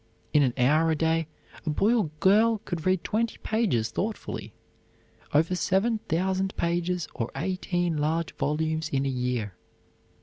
In an hour a day a boy or girl could read twenty pages thoughtfully over seven thousand pages, or eighteen large volumes in a year.